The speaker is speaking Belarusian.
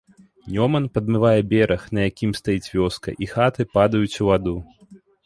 Нёман падмывае бераг, на якім стаіць вёска, і хаты падаюць у ваду.